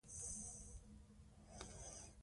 ماري او پېیر کوري د «پیچبلېند» کان مطالعه وکړه.